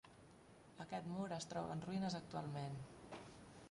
Aquest mur es troba en ruïnes actualment.